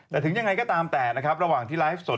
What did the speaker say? และถึงอย่างไรก็ตามแต่ระหว่างที่ไลฟ์สด